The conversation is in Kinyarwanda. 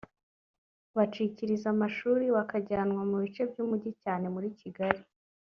bacikiriza amashuri bakajyanwa mu bice by’Umujyi cyane muri Kigali